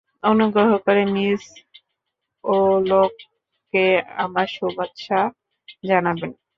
অনুগ্রহ করে মিস ওলকককে আমার শুভেচ্ছা জানাবেন।